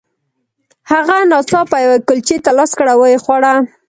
هغه ناڅاپه یوې کلچې ته لاس کړ او ویې خوړه